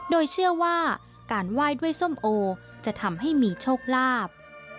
โดยเชื่อว่าการไหว้ด้วยส้มโอจะทำให้มีโชคลาภ